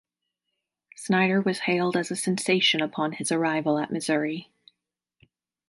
Snyder was hailed as a sensation upon his arrival at Missouri.